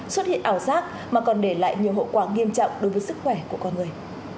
xuất hiện ảo giác mà còn để lại nhiều hậu quả nghiêm trọng đối với sức khỏe của con người